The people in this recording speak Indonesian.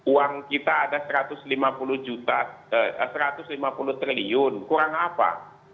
uang kita ada satu ratus lima puluh juta satu ratus lima puluh triliun kurang apa